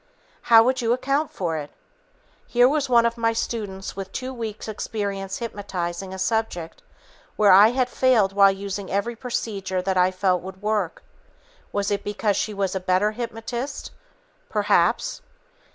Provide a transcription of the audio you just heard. How would you account for it? Here was one of my students with two weeks' experience hypnotizing a subject where I had failed while using every procedure that I felt would work. Was it because she was a better hypnotist? Perhaps!